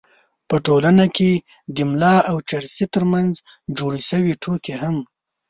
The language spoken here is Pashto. په ټولنه کې د ملا او چرسي تر منځ جوړې شوې ټوکې هم